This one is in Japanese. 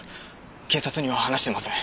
警察には話してません。